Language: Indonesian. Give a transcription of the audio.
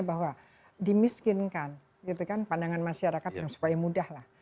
bahwa dimiskinkan pandangan masyarakat supaya mudah lah